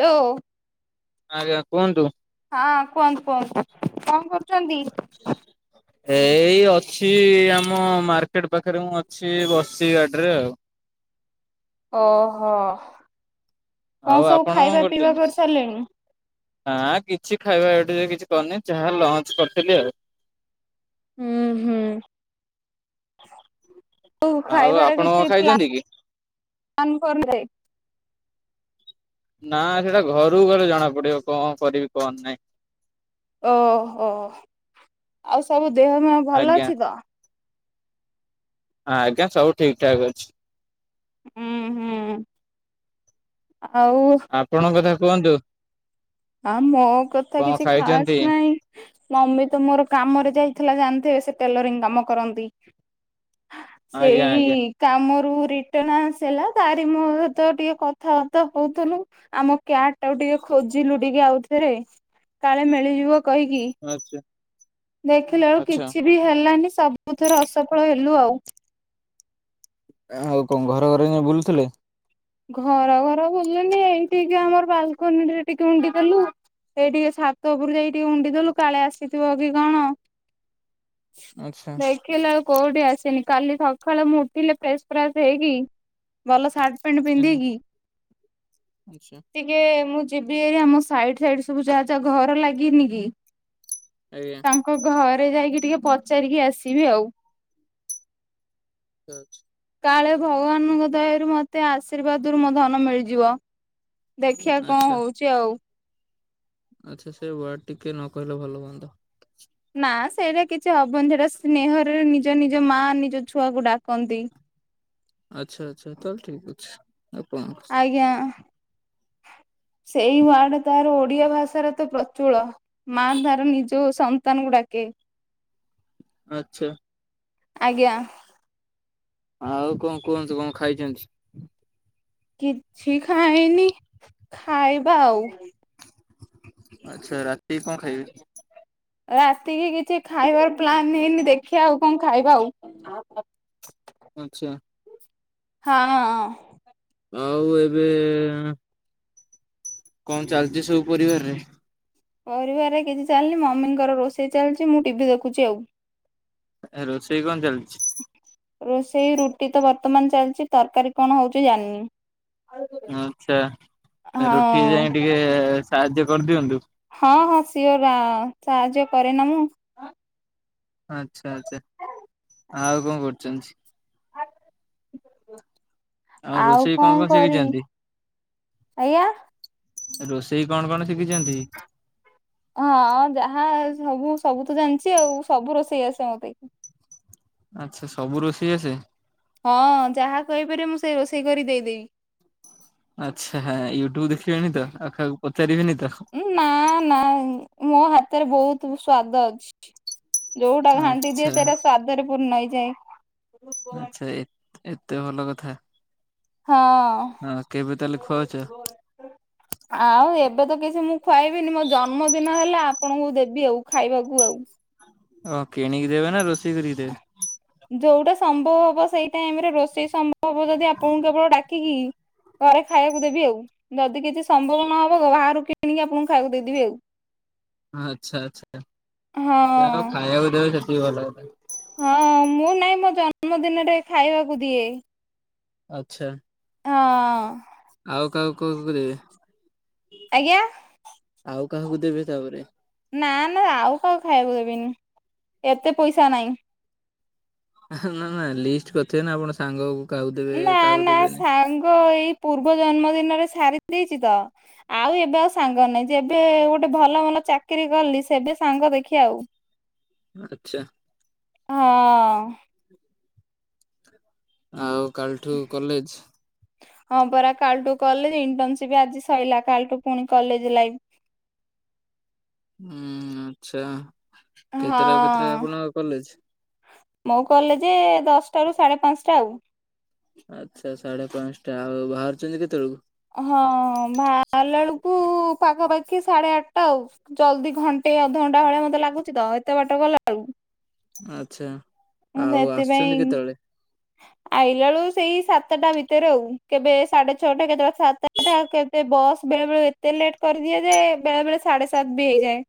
ହଉ [inaudible] ଆଜ୍ଞା କୁହନ୍ତୁ। ହଁ କୁହନ୍ତୁ କୁହନ୍ତୁ [inaudible] କଣ କରୁଛନ୍ତି। ଏଇ ଅଛି ଆମ ମାର୍କେଟ, ପାଖରେ ମୁଁ ଅଛି ବସିଛି ଗାଡିରେ ଆଉ। ଓହୋ, ଆଉ କଣ ସବୁ ଆପଣ କଣ ଖାଇବା ପିଇବା କରୁଚନ୍ତି? କରିସାରିଲେଣି। ହଁ କିଛି ଖାଇବା ଏଠି କିଛି କରିନି ଯାହା ଲଞ୍ଚ୍ କରିଥିଲି ଆଉ ହୁଁ ହୁଁ [inaudible] ଆଉ ଖାଇବାର ଆପଣ କଣ କିଛି। ଖାଇଚନ୍ତି କି? କ କର [inaudible] ନା ସେଇଟା ଘରକୁ ଗଲେ ଜଣାପଡିବ କଣ କରିବି କଣ ନାହିଁ। ଓହୋ [inaudible] ଆଉ ସବୁ ଦେହ ମୁହ ଭଲ ଆଜ୍ଞା ଅଛି ତ। ହଁ ଆଜ୍ଞା, ସବୁ ଠିକ ଠାକ୍ ଅଛି। ହୁଁ ହୁଁ [inaudible] ଆଉ। ଆପଣଙ୍କ କଥା କୁହନ୍ତୁ। ଆ ମୋ କଥା କଣ କିଛି ଖାସ୍ ଖାଇଚନ୍ତି? ନାଇଁ, ମମି ତ ମୋର କାମ ରେ ଯାଇଥିଲା। ଜାଣିଥିବେ ସେ ଟେଲରିଂ କାମ କରନ୍ତି। [inaudible] ଆଜ୍ଞା ସେଇ। ଆଜ୍ଞା କାମରୁ ରିଟନ୍ ଆସିଲା। ତାରି ମୋ ସହିତ ଟିକେ କଥାବାର୍ତ୍ତା ହଉଥିଲୁ। ଆମ କ୍ୟାଟ, ଟାକୁ ଟିକେ ଖୋଜିଲୁ ଟିକେ ଆଉଥରେ କାଳେ ମିଳିଯିବ। କହିକି ଆଚ୍ଛା [inaudible] ଦେଖିଲା ବେଳୁ ଆଚ୍ଛା। କିଛି। ବି ହେଲାନି ସବୁଥିରେ ଅସଫଳ ହେଲୁ ଆଉ ଆଉ କଣ ଘର ଘର କା ବୁଲୁଥିଲେ। [inaudible] ଘର ଘର ବୁଲୁନି ଏଇଠିକା ଆମର ବାଲକୋନିରେ ଟିକେ ଉଣ୍ଡି ଦେଲୁ। ଏଇ ଟିକେ ଛାତ଼ ଉପରୁ ଯାଇକି ଟିକେ ଉଣ୍ଡିଦେଲୁ କାଳେ ଆସିଥିବ କି କଣ। [inaudible] ଆଚ୍ଛା। ଦେଖିଲା ବେଳକୁ କୋଉଠି ଆସିନି କାଲି ସକାଳୁ ମୁଁ ଉଠିଲେ ଫ୍ରେସ୍ ଫ୍ରାସ୍ ହେଇକି ଭଲ ର୍ଷାର୍ଟ ସାଟ୍ ପ୍ୟାଣ୍ଟ୍ ପିନ୍ଧିକି। ଆଚଛା [inaudible] ଟିକେ ମୁଁ ଯିବି ଭାରି ଆମ ସାଇଡ ସାଇଡ ସବୁ ଯାହା ଯାହା ଘର ଲାଗିନି କି ଆଜ୍ଞା। [inaudible] ତାଙ୍କ ଘରେ ଯାଇକି ଟିକେ ପଚାରିକି ଆସିବି ଆଉ ଆଁଛା [inaudible] କାଳେ ଭଗବାନଙ୍କ, ଦୟାରୁ ମତେ ଆଶୀର୍ବାଦ ରୁ ମୋ ଧନ ମିଳିଯିବ। ଦେଖିଆ କଣ ଆଚ୍ଛା ହଉଛି ଆଉ ଆଚ୍ଛା ସେ ୱାର୍ଡ, ଟିକେ ନ କହିଲେ ଭଲ ହୁଅନ୍ତା। ନା ସେଇଟା କିଛି ହବନି ସେଟା ସ୍ନେହରେ ନିଜ ନିଜ ମା, ନିଜ ଛୁଆକୁ ଡାକନ୍ତି। ଆଛା ଆଛା ତାହେଲେ ଠିକ୍ ଅଛି ଆପଣ ଆଜ୍ଞା [inaudible] ସେଇ ୱାର୍ଡ ତାର ଓଡ଼ିଆ ଭାଷାରେ, ତ ପ୍ରଚୁଳ, ମା ତାର ନିଜ ସନ୍ତାନ, କୁ ଡାକେ ଆଛା, ଆଜ୍ଞା, ଆଉ କଣ କୁହନ୍ତୁ, କଣ ଖାଇଚନ୍ତି। କିଛି ଖାଇନି ଖାଇବା ଆଉ ଆଛା ରାତି କି କଣ ଖାଇବେ ରାତିକି କିଛି ଖାଇବାର ପ୍ଲାନ୍ ହେଇନି ଦେଖିବା ଆଉ କଣ ଖାଇବା ଆଉ ଆଚ୍ଛା। ହଁ ଅଁ ଅଁ। ଆଉ ଏବେ ଏଁ କଣ୍ ଚାଲଚି ସବୁ ପରିବାର୍ ରେ? ପରିବାର୍ ରେ କିଛି ଚାଲନି ମମିଙ୍କର ରୋଷେଇ ଚାଲିଚି ମୁ ଟିଭି ଦେଖୁଚି ଆଉ। ଆ ରୋଷେଇ କଣ ଚାଲଛି? ରୋଷେଇ ରୁଟି ତ ବର୍ତ୍ତମାନ୍ ଚାଲଚି ତରକାରୀ କଣ ହଉଚି ଜାଣିନି? ହଁ ଆଚ୍ଛା ରୁଟିିରେ ଯାଇଁକି ଟିକେ ସାହାଯ୍ୟ କରଦିଅନ୍ତୁ। ହଁ ହଁ ସିଏ ରା ସାହାଯ୍ୟ କରେନା ମୁ ଆଚ୍ଛା ଆଚ୍ଛା ଆଉ କଣ କରୁଚନ୍ତି? ଆଉ ରୋଷେଇ କଣ କଣ ଶିଖିଚନ୍ତି? ଆଜ୍ଞା। ରୋଷେଇ କଣ କଣ ଶିଖିଚନ୍ତି? ହଁ ଯାହା ସବୁ ସବୁ ତ ଜାଣିଚି ଆଉ ସବୁ ରୋଷେଇ ଆସେ ମତେ। ଆଚ୍ଛା ସବୁ ରୋଷେଇ ଆସେ? ହଁ ଯାହା କହିପାରିବେ ମୁଁ ସେଇ ରୋଷେଇ କରି ଦେଇଦେବି। ଆଛା ୟୁଟ୍ୟୁବ୍ ଦେଖିବେନି ତ? ଆଉକାହାକୁ ପଚାରିବେନି ତ? ନା ନା ମୋ ହାତରେ ବହୁତୁ ସ୍ଵାଦ ଅଛି। ଯଉଟା ଘାଣ୍ଟି ଆଚ୍ଛା ଦିଏ ସେଟା ସ୍ଵାଦରେ ପୂର୍ଣ୍ଣ ହେଇଯାଏ। ଆଚ୍ଛା ଏ ଏତେ ଭଲ କଥା। ହଁ। ହଁ କେବେ ତାହେଲେ ଖୁଆଉଛ ଆଉ ଏବେ ତ କିଛି ମୁଁ ଖୁଆଇବିନି ମୋ ଜନ୍ମଦିନ ନ ହେଲେ ଆପଣଙ୍କୁ ଦେବି ଆଉ ଖାଇବାକୁ ଆଉ। ଓ କିଣିକି ଦେବେ ନା ରୋଷେଇ କରିକି ଦେବେ? ଯଉଟା ସମ୍ଭବ ହବ ସେଇ ଟାଇମ୍ ରେ ରୋଷେଇ ସମ୍ଭବ ହବ ଯଦି ଆପଣଙ୍କୁ କେବଳ ଡ଼ାକିକି ଘରେ ଖାଇବାକୁ ଦେବି ଆଉ ଯଦି କିଛି ସମ୍ଭବ ନହବ ଘର ବାହାରୁ କିଣିକି ଆପଣଙ୍କୁ ଖାଇବାକୁ ଦେଇଦେବି ଆଉ। ଆଚ୍ଛା ଆଚ୍ଛା ହଁ ଯାହଉ ଖାଇବାକୁ ଦେବେ ସେତିିକି ଭଲ କଥା। ହଁ ମୁ ନାଇଁ ମୋ ଜନ୍ମଦିନରେ ଖାଇବାକୁ ଦିଏ। ଆଚ୍ଛା। ଅଁ। ଆଉ କାହାକୁ କଲ୍ କରିବେ? ଆଜ୍ଞା। ଆଉ କାହାକୁ ଦେବେ ତାପରେ? ନା ନା ଆଉ କାହାକୁ ଖାଇବାକୁ ଦେବିନି ଏତେ ପଇସା ନାଇଁ। ହେ ନା ନା ଲିଷ୍ଟ୍ କରିଥିବେ ନା ଆପଣ ସାଙ୍ଗକୁ କାହାକୁ ଦେବେ ନା କାହାକୁ ନା ଦେବେନି। ସାଙ୍ଗ ଏଇ ପୂର୍ବ ଜନ୍ମଦିନରେ ସାରି ଦେଇଛି ତ? ଆଉ ଏବେ ଆଉ ସାଙ୍ଗ ନାଇଁ ଯେବେ ଗୋଟେ ଭଲ ଭଲ ଚାକିରି କଲି ସେବେ ସାଙ୍ଗ ଦେଖିଆ ଆଉ। ଆଚ୍ଛା। ହଁ। ଆଉ କାଲ୍ ଠାରୁ କଲେଜ୍? ହଁ ପରା କାଲଟୁ କଲେଜ ଇଣ୍ଟନସିପ ଆଜି ସଇଲା କାଲଟୁ ପୁଣି କଲେଜ ଲାଇଫ୍ ହୁଁ ଆଚ୍ଛା କେତେଟାରୁ କେତେଟା ହଁ ଆପଣଙ୍କ କଲେଜ? ଅ। ମୋ କଲେଜେ ଦଶଟାରୁ ସାଢ଼େ ପାଞ୍ଚଟା ଆଉ ଆଚ୍ଛା, ସାଢେ ପାଞ୍ଚଟା ଆଉ ବାହାରୁଚନ୍ତି କେତବେଳକୁ? ହଁ ଭାଆରିଲାବେଳକୁ ପାଖାପାଖି ସାଢେ ଆଠଟା ଆଉ ଜଲଦି ଘନ୍ ଘଣ୍ଟେ ଅଧଘଣ୍ଟା ଭଳିଆ ମତେ ଲାଗୁଛି ତ ଏତେ ବାଟ ଗଲାବେଳକୁ। ଆଚ୍ଛା। ମୁଁ ଆଉ ଆସୁଛନ୍ତି ସେଥିପାଇଁ। କେତେବେଳେ ଆଇଲାବେଳୁ ସେଇ ସାତଟା ଭିତରେ ଆଉ କେବେ ସାଢେ ଛଅଟା କେତେବେଳେ ସାତଟା ସେଇଟା କେତେ ବସ୍ ବେଳେ ବେଳେ ଏତେ ଲେଟ୍ କରିଦିଏ ଯେ ବେଳେ ବେଳେ ସାଢେ ସାତ ବି ହେଇଯାଏ।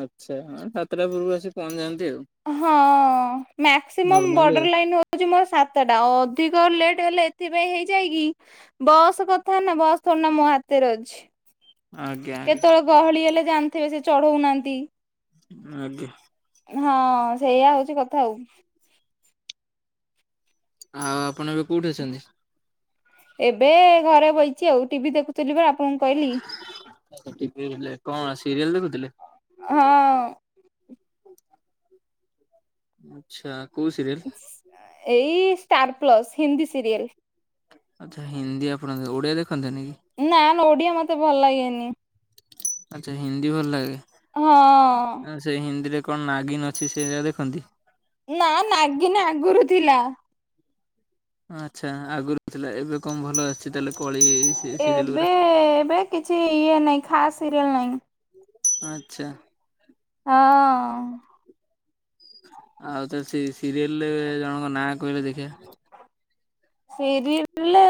ଆଚ୍ଛା, ହଁ ସାତଟା ପୂର୍ବରୁ ଆସି ପହଞ୍ଚିଯାନ୍ତି ଆଉ। ହଁ ମ୍ୟାକ୍ସିମମ୍ ନର୍ମାଲି ଆଉ। ବର୍ଡର ଲାଇନ ହୋ। ହଉଚି ମୋ ସାତଟା ଅଧିକ ଲେଟ୍ ହେଲେ ଏଥିପାଇଁ ହେଇଯାଇ କିି ବସ୍ କଥା ନା ବସ୍ ଥୋଡିନା ମୋ ହାତରେ ଅଛି। ଆଜ୍ଞା ଆଜ୍ଞା କେତେବେଳେ ଗହଳି ହେଲେ ଜାଣିଥିବେ ସେ ଚଢଉନାହାନ୍ତି। ହଁ ଆଜ୍ଞା। ହଁ ସେଇଆ ହଉଛି କଥା ଆଉ ଆଉ ଆପଣ ଏବେ କୋଉଠି ଅଛନ୍ତି? ଏବେ ଘରେ ବଇଚି ଆଉ ଟିଭି ଦେଖୁଥିଲି ପା ଟିଭି ଦେଖୁଥିଲେ କଣ ସିରିଏଲ ଦେଖୁଥିଲେ। ହଁ। ଆଚ୍ଛା କୋଉ ସିରିଏଲେ। ଏଇ ଷ୍ଟାରପ୍ଲସ୍ ହିନ୍ଦୀ ସିରିଏଲେ ଆଚ୍ଛା ହିନ୍ଦୀ ଆପଣ ଓଡ଼ିଆ ଦେଖନ୍ତିନି କି? ନା ନା ଓଡିଆ ମତେ ଭଲ ଲାଗେନି ଆଚ୍ଛା ହିନ୍ଦୀ ଭଲ ଲାଗେ ହଁ ସେ ହିନ୍ଦୀରେ କଣ ନାଗିନ୍ ଅଛି ସେଇଆ ଦେଖନ୍ତି ନା ନାଗିନ୍ ଆଗରୁ ଥିଲା। ଆଚ୍ଛା ଆଗରୁ ଥିଲା ଏବେ କଣ ଭଲ ଆସୁଛି ତାହେଲେ କଳି ସିରିଏଲ ଏବେ ଗୁରା ଏବେ କିଛି ଇଏ ନାହିଁ ଖାସ୍ ସିରିଏଲ ନାହିଁ ଆଚ୍ଛା। ଅଁ। ଆଉ ତ ସେ ସିରିଏଲରେ ଜଣଙ୍କ ନାଁ କହିଲ ଦେଖିଆ। ସିରିଏଲରେ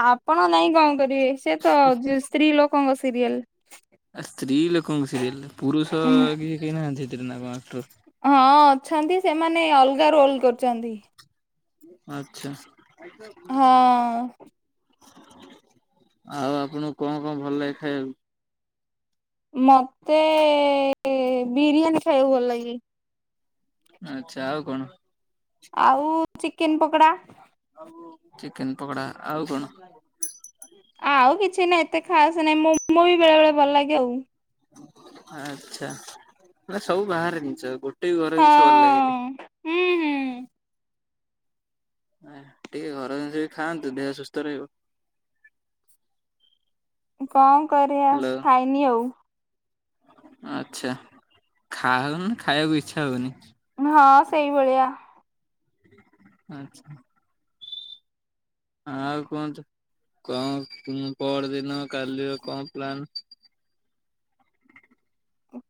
ଆପଣ ଜଣିକି କଣ କରିବେ ସେ ସ୍ତ୍ରୀଲୋକଙ୍କ ସିରିଏଲେ ଆ ସ୍ତ୍ରୀ ଲୋକଙ୍କ ସିରିଏଲ ପୁରୁଷ କି କେହି ନାହାନ୍ତି ଏଥିରେ ନା କଣ ଆକ୍ଟର ହଁ ଅଛନ୍ତି ସେମାନେ ଅଲଗା ରୋଲ୍ କରୁଚନ୍ତି। ଆଚ୍ଛା। [unintelligible] ହଁ ଆଉ ଆପଣଙ୍କୁ କଣ କଣ ଭଲ ଲାଗେ ଖାଇଆକୁ? ମତେ ବିରିୟାନୀ ଖାଇବାକୁ ଭଲ ଲାଗେ। ଆଚ୍ଛା ଆଉ କଣ? ଆଉ ଚିକେନ୍ ପକୋଡା। ଆଉ ଚିକେନ୍ ପକୋଡା ଆଉ କଣ? [unintelligible] ଆଉ କିଛି ନାହିଁ ଏତେ ଖାସ ନାଇଁଁ ମୋମୋ ବି ବେଳେ ବେଳେ ଭଲ ଲାଗେ ଆଉ। ଆଚ୍ଛା ସବୁ ବାହାର ଜିନିଷ ଗୋଟେ ବି ଘର ଜିନିଷ ଭଲ ହଁ ଲାଗେନି। ହୁଁ ହୁଁ। ଟିକେ ଘର ଜିନଷ ବି ଖାଆନ୍ତୁ ଦେହ ସୁସ୍ଥ ରହିବ। କଣ କରିଆ ହ୍ୟାଲୋ ଖାଇନି ଆଉ। ଆଚ୍ଛା ଖାଉନୁ ନା ଖାଇବାକୁ ଇଚ୍ଛା ହଉନି। ହଁ ସେଇଭଳିଆ। ଆଚ୍ଛା। ଆଉ କୁହନ୍ତୁ କଣ ପର ଦିନ କାଲିର କଣ ପ୍ଲାନ।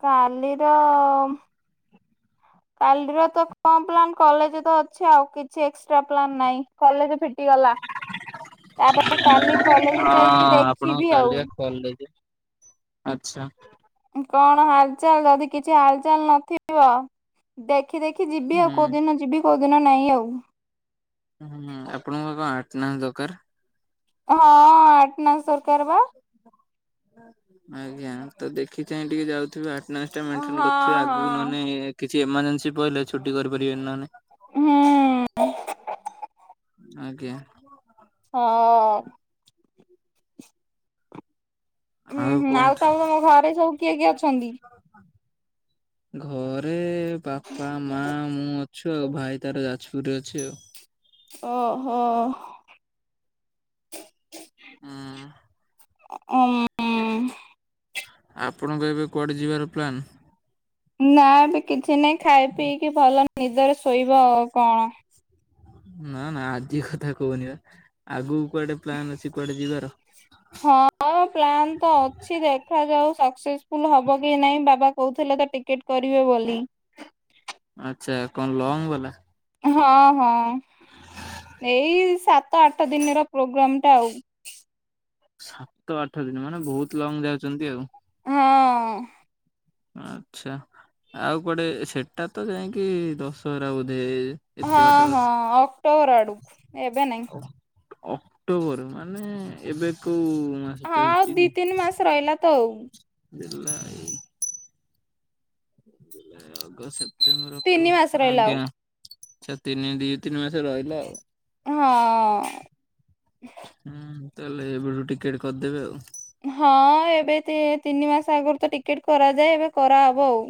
କାଲିର କାଲିର ତ କଣ ପ୍ଲାନ୍ କଲେଜ୍ ତ ଅଛି ଆଉ କିଛି ଏକ୍ସଟ୍ରା ପ୍ଲାନ୍ ନାହିଁ କଲେଜ୍ ଫିଟିଗଲା ତାପରେ କାଲି କଲେଜ୍ ଯାଇକି ଦେଖିବି ଆଉ କଲେଜ୍ ଆଚ୍ଛା କଣ ହାଲ୍ ଚାଲ୍ ଯଦି କିଛି ହାଲ୍ ଚାଲ୍ ନଥିବ ଦେଖି ଦେଖି ଯିବି ଆଉ ହୁଁ। କୋଉଦିନ ଯିବି କୋଉଦିନ ନାହିଁ ଆଉ ହୁଁ ଆପଣଙ୍କ କଣ ଆଣ୍ଟେନାସ୍ ଦରକାର ହଁ ଆଣ୍ଟେନାସ୍ ଦରକାର ପା ଆଜ୍ଞା ତ ଦେଖି ଚାହିଁ ଟିକେ ଯାଉଥିବେ ଆଣ୍ଟନାସ୍ ହଁ ମେଣ୍ଟନେ କରିଥିବେ ହଁ। ଆଗକୁ ନହେଲେ କିଛି ଏମର୍ଜେନ୍ସି ପଇଲେ ଛୁଟି କରିପାରିବେନି ହୁଁ ନହେଲେ ଆଜ୍ଞା ହଁ ହୁଁ ହୁଁ ଆଉ ତ ତମ ଘରେ ସବୁ କିଏ କିଏ ଅଛନ୍ତି ଘରେ ବାପା ମା ମୁଁ ଅଛୁ ଆଉ ଭାଇ ତାର ଯାଜପୁରରେ ଅଛି ଆଉ ଓହୋ ହୁଁ ଓମ୍ ଆପଣଙ୍କ ଏବେ କୁଆଡ଼େ ଯିବାର ପ୍ଲାନ୍ ନା ଏବେ କିଛି ନାଇଁ ଖାଇ ପିଇକି ଭଲ ନିଦରେ ଶୋଇବ ଆଉ କଣ ନା ନା ଆଜି କଥା କହୁନି ବା ଆଗକୁ କୁଆଡ଼େ ପ୍ଲାନ୍ ଅଛି କୁଆଡ଼େ ଯିବାର ହଁ ପ୍ଲାନ୍ ତ ଅଛି ଦେଖାଯାଉ ସକ୍ସେସ୍ ଫୁଲୁ ହବ କି ନାଇଁ ବାବା କହୁଥିଲେ ତ ଟିକେଟ୍ କରିବେ ବୋଲି ଆଚ୍ଛା କଣ ଲଙ୍ଗ ବାଲା ହଁ ହଁ ଏଇ ସାତ ଆଠ ଦିନର ପ୍ରୋଗ୍ରାମ୍ ଟା ଆଉ ସାତ ଆଠ ଦିନ ମାନେ ବହୁତ ଲଙ୍ଗ ଯାଉଛନ୍ତି ଆଉ ହଁ ଆଛା ଆଉ କୁଆଟେ ସେଟା ତ ଯାଇକି ଦଶହରା ବୋଧେ ଏତେ ହଁ ବାଟର ହଁ ଅକ୍ଟୋବର ଆଡ଼କୁ ଏବେ ନାଇଁ ଅକ୍ଟୋବର ମାନେ ଏବେ କୋଉ ହଁ ଆଉ ଚାଲିଛି ଦି ତିନି ମାସ ରହିଲା ତ ଆଉ ବିଲା ଆଈ ଜୁଲାଇ ଅଗଷ୍ଟ ସେପ୍ଟେମ୍ବର ତିନି ମାସ ଅକ୍ଟେବର ରହିଲା ଆଜ୍ଞା ଆଛା ତିନି ଦି ତିନି ମାସ ରହିଲା ଆଉ ଆଉ ହଁ। ହୁଁ ତାହେଲେ ଏବେୁ ଠୁ ଟିକେଟେ କରିଦେବେ ଆଉ ହଁ ଏବେ ତିନି ମାସ ଆଗରୁ ତ ଟିକେଟ୍ କରାଯାଏ ଏବେ କରାହବ ଆଉ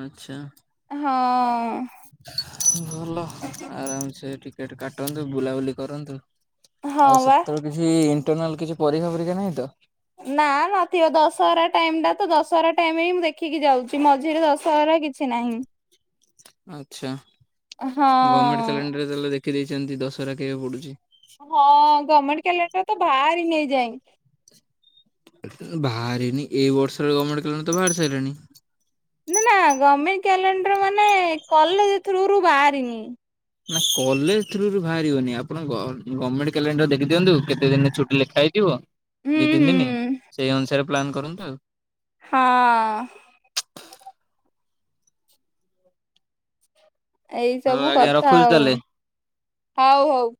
ଆଚ୍ଛା ହଁ ଭଲ ଆରାମସେ ଟିକେଟ୍ କାଟନ୍ତୁ ବୁଲାବୁଲି କରନ୍ତୁ ହଁ ଆଉ ବା। ସେତେବେଳେ କିଛି ଇଣ୍ଟରନାଲ୍ କିଛି ପରୀକ୍ଷା ପରୀକ୍ଷା ନାହିଁ ତ ନା ନଥିବ ଦଶହରା ଟାଇମି ଟା ତ ଦଶହରା ଟାଇମି ହିଁ ମୁଁ ଦେଖିକି ଯାଉଛି ମଝିରେ ଦଶହରା କିଛି କିଛି ନାହିଁ ଆଚ୍ଛା ଗମେଣ୍ଟେ ହଁ କ୍ୟାଲେଣ୍ଡରରେ ତାହେଲେ ଦେଖିଦେଇଛନ୍ତି ଦଶହରା କେବେ ପଡୁଛି ହଁ ଗମେଣ୍ଟେ କ୍ୟାଲେଣ୍ଡର ତ ବାହାରି ଏଇଯାଏ ଏ ପର୍ଯ୍ୟନ୍ତ ବାହାରିନି ଏଇ ବର୍ଷରେ ଗମେଣ୍ଟ କ୍ୟାଲେଣ୍ଡ ତ ବାହାରି ସାରିଲାଣି। ନା ନା ଗମେଣ୍ଟ କ୍ୟାଲେଣ୍ଡର ମାନେ କଲେଜ ଥ୍ରୁରୁୁ ବାହାରିନି। ନା କଲେଜ ଥ୍ରୁରୁ ବାହାରିବନି। ଆପଣ ଗ ଗମଣ୍ଟେ କାଲେଣ୍ଡର ଦେଖିଦିଅନ୍ତୁ କେତେ ଦିନରେ ଛୁଟି ଲେଖା ହେଇଥିବ। ହୁଁ ଦି ତିନି ହୁଁ ଦିନି ସେଇ ଅନୁସାରେ ପ୍ଲାନ୍ କରନ୍ତୁ ଆଉ। ହଁ ଏଇ ହଉ ସବୁ ଆଜ୍ଞା କଥା ରଖୁଛି ଆଉ। ତାହେଲେ। ହଉ ହଉ।